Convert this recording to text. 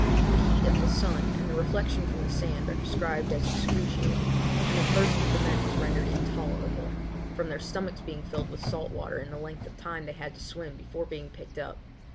The heat of the sun and the reflection from the sand are described as excruciating, and the thirst of the men was rendered intolerable, from their stomachs being filled with salt water in the length of time they had to swim before being picked up.